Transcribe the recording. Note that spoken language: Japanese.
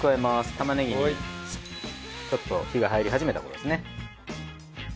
玉ねぎにちょっと火が入り始めた頃ですね。